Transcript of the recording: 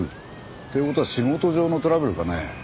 っていう事は仕事上のトラブルかね。